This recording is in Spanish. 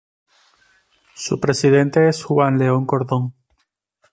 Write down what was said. Su presidente es Juan León Cordón.